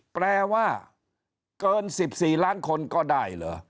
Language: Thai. แปลว่าเกิน๑๔ล้านคนก็ได้เหรอ